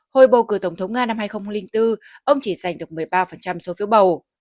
hồi bầu cử tổng thống nga năm hai nghìn bốn ông chỉ giành được một mươi ba số phiếu bầu